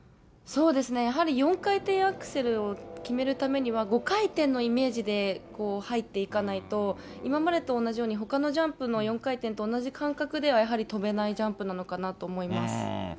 そうですね、やはり４回転アクセルを決めるためには、５回転のイメージで入っていかないと、今までと同じように、ほかのジャンプの４回転と同じ感覚では、やはり跳べないジャンプなのかなと思います。